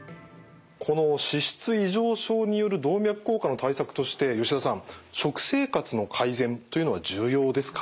この脂質異常症による動脈硬化の対策として吉田さん食生活の改善というのは重要ですか？